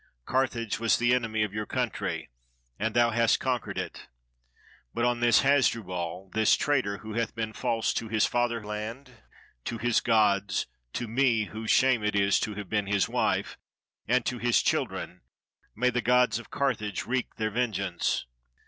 Carthage was the enemy of your country, and thou hast conquered it. But on this Hasdrubal, this traitor who hath been false to his fatherland, to his gods, to me, — whose shame it is to have been his wife, — and to his children, may the gods of Carthage wreak their ven geance